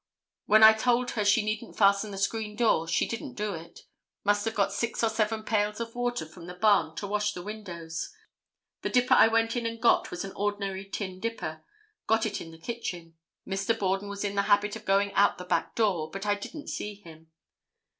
When I told her she needn't fasten the screen door, she didn't do it. Must have got six or seven pails of water from the barn to wash the windows. The dipper I went in and got was an ordinary tin dipper. Got it in the kitchen. Mr. Borden was in the habit of going out the back door, but I didn't see him.